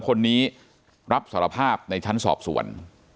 คนนี้รับสารภาพในชั้นสอบสวน